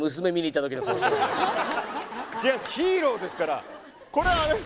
違うヒーローですから。